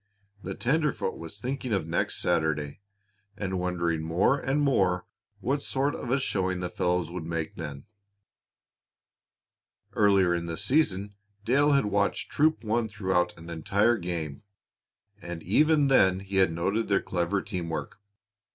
The tenderfoot was thinking of next Saturday, and wondering more and more what sort of a showing the fellows would make then. Earlier in the season, Dale had watched Troop One throughout an entire game, and even then he had noted their clever team work.